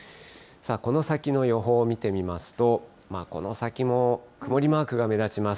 さあ、この先の予報を見てみますと、この先も曇りマークが目立ちます。